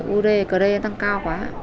ud cre tăng cao quá